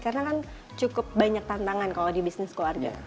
karena kan cukup banyak tantangan kalau di bisnis keluarga